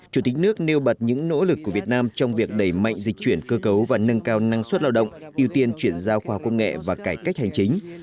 chủ tịch nước nêu bật những nỗ lực của việt nam trong việc đẩy mạnh dịch chuyển cơ cấu và nâng cao năng suất lao động ưu tiên chuyển giao khoa công nghệ và cải cách hành chính